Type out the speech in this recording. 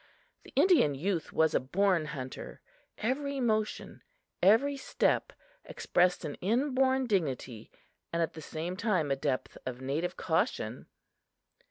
The Indian youth was a born hunter. Every motion, every step expressed an inborn dignity and, at the same time, a depth of native caution.